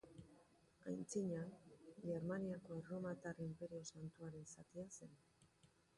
Antzina, Germaniako Erromatar Inperio Santuaren zatia zen.